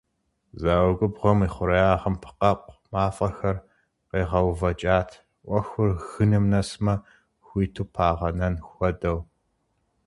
Зауэ губгъуэм и хъуреягъым пкъэкъу мафӏэхэр къегъэувэкӏат, ӏуэхур гыным нэсмэ, хуиту пагъэнэн хуэдэу.